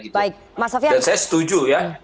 dan saya setuju